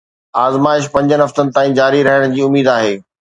آزمائش پنجن هفتن تائين جاري رهڻ جي اميد آهي